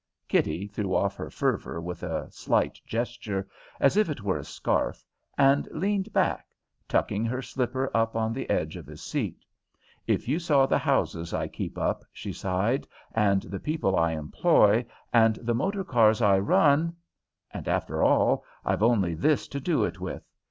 Kitty threw off her fervour with a slight gesture, as if it were a scarf, and leaned back, tucking her slipper up on the edge of his seat. "If you saw the houses I keep up," she sighed, "and the people I employ, and the motor cars I run And, after all, I've only this to do it with."